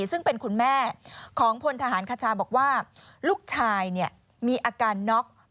ซึ่งเป็นคุณแม่ของพลทหารคชาบอกว่าลูกชายมีอาการน็อก